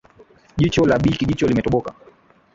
Jicho la Bi Kijicho limetoboka